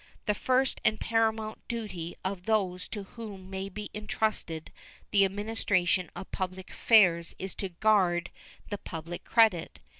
The first and paramount duty of those to whom may be intrusted the administration of public affairs is to guard the public credit.